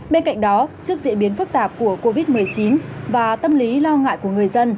bên cạnh đó trước diễn biến phức tạp của covid một mươi chín và tâm lý lo ngại của người dân